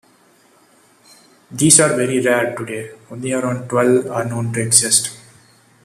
These are very rare today: only around twelve are known to exist.